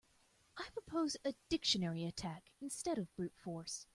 I'd propose a dictionary attack instead of brute force.